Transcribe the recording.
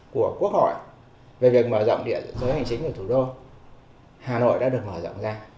của quốc hội về việc mở rộng địa giới hành chính của thủ đô hà nội đã được mở rộng ra